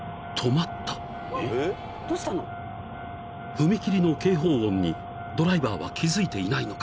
［踏切の警報音にドライバーは気付いていないのか？］